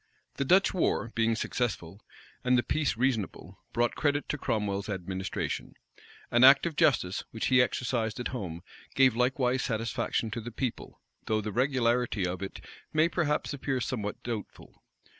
The Dutch war, being successful, and the peace reasonable brought credit to Cromwell's administration. An act of justice, which he exercised at home, gave likewise satisfaction to the people: though the regularity of it may perhaps appear somewhat doubtful.